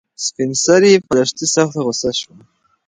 سپین سرې په لښتې سخته غوسه شوه.